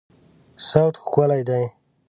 صوت ښکلی دی